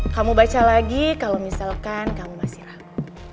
kamu baca lagi kalau misalkan kamu masih ragu